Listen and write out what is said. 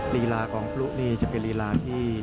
ลีลาของพลุนี่จะเป็นลีลาที่